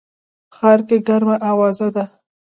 ښار کي ګرمه اوازه ده